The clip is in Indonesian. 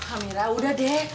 amira udah deh